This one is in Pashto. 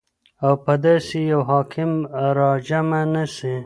او په داسي يو حاكم راجمع نسي